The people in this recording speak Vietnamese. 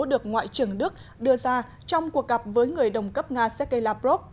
được ngoại trưởng đức đưa ra trong cuộc gặp với người đồng cấp nga sergei lavrov